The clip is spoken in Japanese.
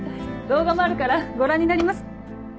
動画もあるからご覧になります？